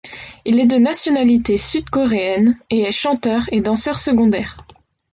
Il est de nationalité sud-coréenne et est chanteur et danseur secondaire.